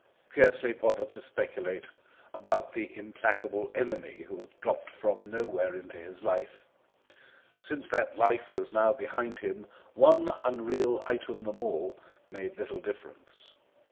He scarcely bothered to speculate about the implacable enemy who had dropped from nowhere into his life; since that life was now behind him one unreal item the more made little difference.